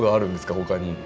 他に。